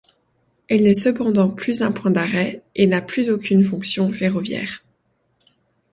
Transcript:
Elle n'est cependant plus un point d'arrêt et n'a plus aucune fonction ferroviaire.